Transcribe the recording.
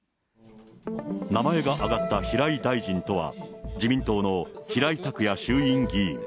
名前が挙がった平井大臣とは、自民党の平井卓也衆院議員。